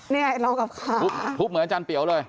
นี่เรากลับค่าคูบเหมือนชั้นเปรียวเลย